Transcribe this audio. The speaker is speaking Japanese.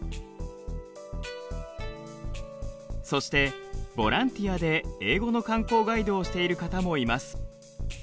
そしてボランティアで英語の観光ガイドをしている方もいます。